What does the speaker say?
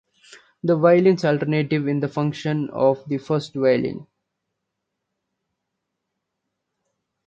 The violins alternate in the function of the first violin.